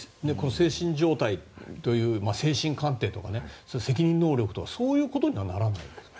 精神的なもの精神鑑定とか責任能力とかそういうことにはならないんですか？